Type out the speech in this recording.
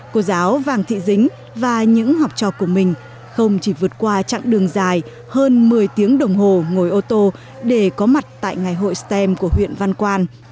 cô giáo vàng thị dính và những học trò của mình không chỉ vượt qua chặng đường dài hơn một mươi tiếng đồng hồ ngồi ô tô để có mặt tại ngày hội stem của huyện văn quan